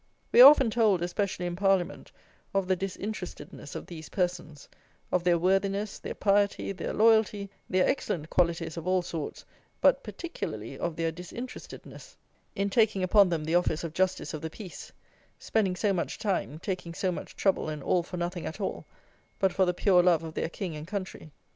We are often told, especially in Parliament, of the disinterestedness of these persons; of their worthiness, their piety, their loyalty, their excellent qualities of all sorts, but particularly of their disinterestedness, in taking upon them the office of Justice of the Peace; spending so much time, taking so much trouble, and all for nothing at all, but for the pure love of their King and country.